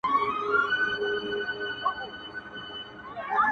بل خوشاله په درملو وايي زېری مي درباندي-